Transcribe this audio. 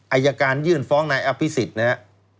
อัยการณ์ยื่นฟ้องนายอภิสิษธิ์